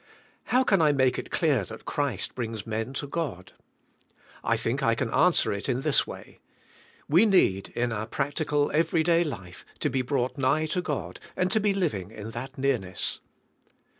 How can I make it clear that Christ brings men to God? I think I can answer it in this way: We need, in our practical, every day life, to be brought nigh to God and to be living in that nearness.